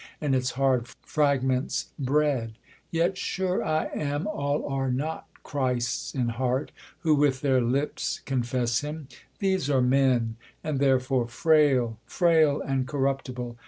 And its hard fr^igments, bread. Yet sure I am Ail are not Christ's in heart, who with their lips €orifess him ; these are men, and therefore frail, Frail and corruptible.